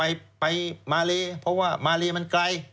ไปไปมาเลเพราะว่ามาเลมันไกล